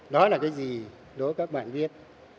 đó là cái gì đối với các bạn viết